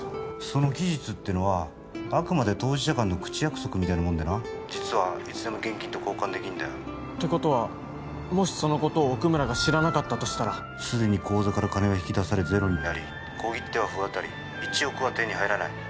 その期日ってのはあくまで当事者間の口約束みたいなもんでな☎実はいつでも現金と交換できんだよってことはもしそのことを奥村が知らなかったとしたらすでに口座から金は引き出されゼロになり☎小切手は不渡り１億は手に入らない☎